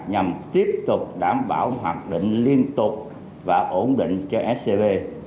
nhằm tiếp tục đảm bảo hoạt động liên tục và ổn định cho scb